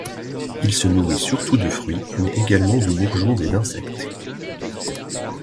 Il se nourrit surtout de fruits, mais également de bourgeons et d'insectes.